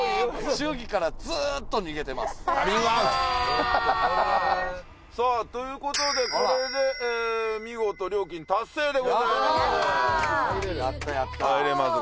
祝儀からずっと逃げてますさあということでこれで見事料金達成でございますね入れます